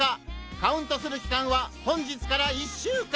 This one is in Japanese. カウントする期間は本日から１週間！